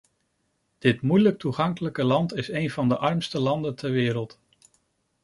Dit moeilijk toegankelijke land is één van de armste landen ter wereld.